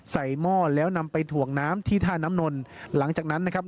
หม้อแล้วนำไปถ่วงน้ำที่ท่าน้ำนนหลังจากนั้นนะครับ